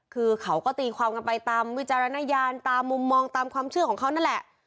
คือเขาก็ตีความกันไปตามวิจารณญาณตามมุมมองตามความเชื่อของเขานั่นแหละ